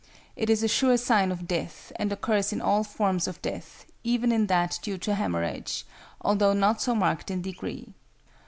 It is a sure sign of death, and occurs in all forms of death, even in that due to hæmorrhage, although not so marked in degree.